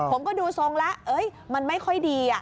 ผมก็ดูทรงแล้วมันไม่ค่อยดี